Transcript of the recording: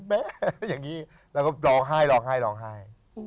แม่อย่างนี้แล้วก็ร้องไห้ร้องไห้